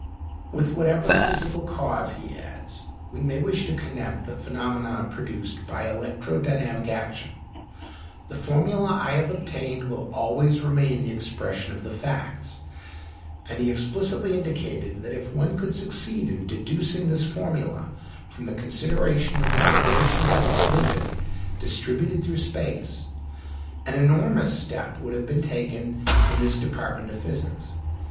"With whatever physical cause," he adds, "we may wish to connect the phenomena produced by electro dynamic action, the formula I have obtained will always remain the expression of the facts," and he explicitly indicated that if one could succeed in deducing his formula from the consideration of the vibrations of a fluid distributed through space, an enormous step would have been taken in this department of physics.